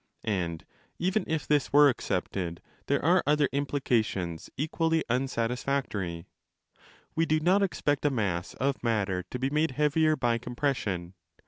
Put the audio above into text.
And even if this were accepted, there are other implications equally unsatisfactory. Wedo not expect a mass of matter to be made heavier by compression.